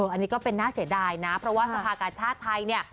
อันนี้ก็เป็นน่าเสียดายนะเพราะว่าสภากาชาติไทยเนี่ย